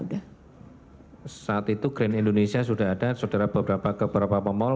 saat itu grand indonesia sudah ada saudara ke beberapa mall